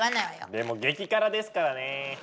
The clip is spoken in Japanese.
でも激辛ですからね。